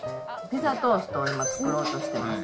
ピザトーストを今、作ろうとしています。